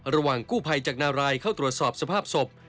ระหว่างกู้ภัยจากนารายเข้าตรวจสอบสภาพศพ